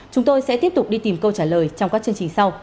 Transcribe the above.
chúng tôi sẽ tiếp tục đi tìm câu trả lời trong các chương trình sau